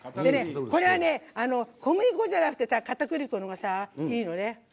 これは小麦粉じゃなくてかたくり粉のほうがいいのね。